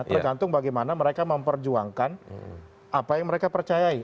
tergantung bagaimana mereka memperjuangkan apa yang mereka percayai